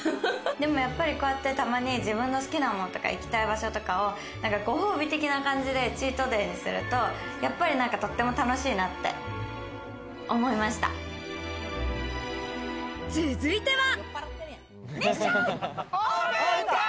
でもやっぱりこうやって自分の好きなものとか、行きたい場所とかを、ご褒美的な感じでチートデイにすると、やっぱりなんかとって続いては。